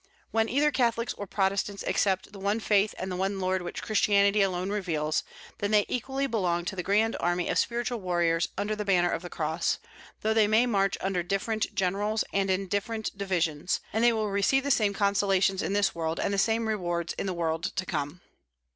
When either Catholics or Protestants accept the one faith and the one Lord which Christianity alone reveals, then they equally belong to the grand army of spiritual warriors under the banner of the Cross, though they may march under different generals and in different divisions; and they will receive the same consolations in this world, and the same rewards in the world to come.